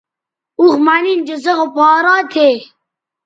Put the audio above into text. اوخ مہ نِن چہ سے خو پاراں تھے